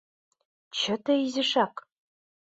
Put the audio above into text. — Чыте изишак...